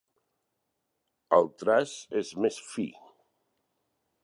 El traç és més fi.